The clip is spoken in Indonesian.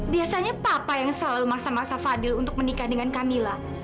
biasanya papa yang selalu maksa maksa fadil untuk menikah dengan kamila